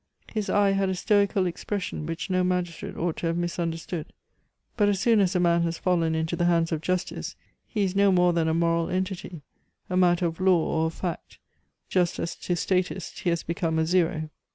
His eye had a stoical expression which no magistrate ought to have misunderstood; but as soon as a man has fallen into the hands of justice, he is no more than a moral entity, a matter of law or of fact, just as to statists he has become a zero.